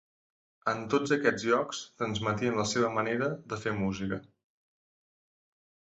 En tots aquests llocs, transmetien la seva manera de fer música.